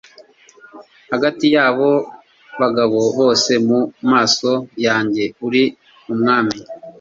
hagati y'abo bagabo bose, mu maso yanjye uri umwami